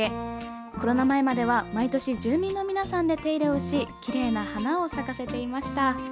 コロナ前までは毎年、住民の皆さんで手入れをしきれいな花を咲かせていました。